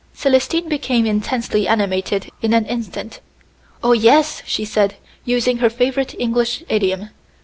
Célestine became intensely animated in an instant. "Oh, yes," she said, using her favorite English idiom.